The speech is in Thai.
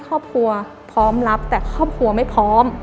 ครอบครัวพร้อมรับแต่ครอบครัวไม่พร้อม